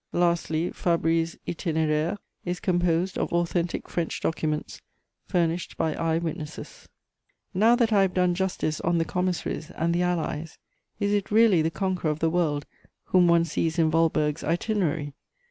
Lastly, Fabry's Itinéraire is composed of authentic French documents furnished by eye witnesses. [Sidenote: His humiliation.] Now that I have done justice on the commissaries and the Allies, is it really the conqueror of the world whom one sees in Waldburg's _Itinerary?